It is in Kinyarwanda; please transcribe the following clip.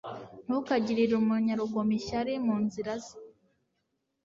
ntukagirire umunyarugomo ishyari mu nzira ze